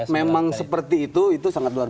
memang seperti itu itu sangat luar biasa